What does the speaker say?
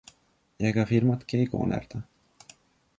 Ja ega firmadki ei koonerda.